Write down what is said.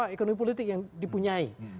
ekonomi politik yang dipunyai